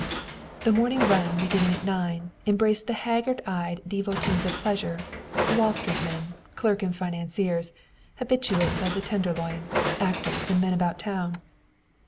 The morning run beginning at nine, embraced the haggard eyed devotees of pleasure Wall Street men, clerk and financiers, habitues of the Tenderloin actors and men about town.